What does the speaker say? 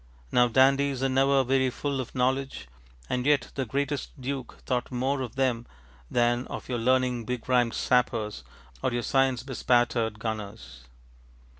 ŌĆØ Now dandies are never very full of knowledge, and yet the greatest Duke thought more of them than of your learning begrimed sappers or your science bespattered gunners.